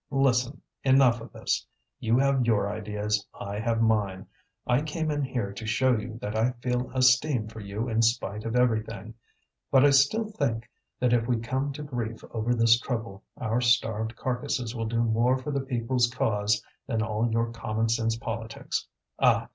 "Listen! enough of this. You have your ideas, I have mine. I came in here to show you that I feel esteem for you in spite of everything. But I still think that if we come to grief over this trouble, our starved carcasses will do more for the people's cause than all your common sense politics. Ah!